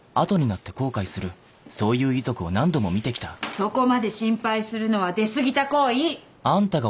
そこまで心配するのは出過ぎた行為！